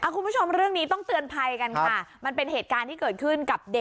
คุณผู้ชมเรื่องนี้ต้องเตือนภัยกันค่ะ